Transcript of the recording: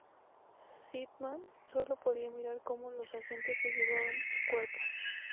Steadman sólo podía mirar como los agentes se llevaban su cuerpo.